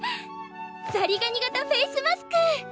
ザリガニ型フェイスマスク！